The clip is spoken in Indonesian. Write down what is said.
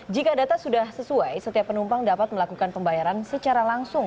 jika data sudah sesuai setiap penumpang dapat melakukan pembayaran secara langsung